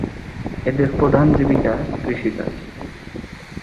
এদের প্রধান জীবিকা "কৃষি কাজ"।